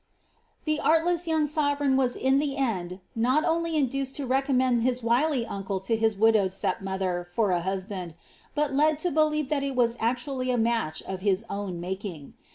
''» The artless young sovereign was in the end not only induced to re commend his wily uncle to his widowed step mother for a husband, bal led to believe that it was actually a match of his own making.